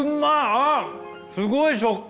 あすごい食感！